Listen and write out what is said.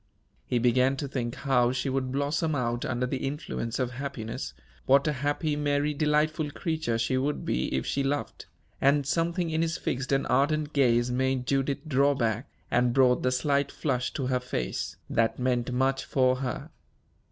He began to think how she would blossom out under the influence of happiness; what a happy, merry, delightful creature she would be if she loved; and something in his fixed and ardent gaze made Judith draw back, and brought the slight flush to her face, that meant much for her.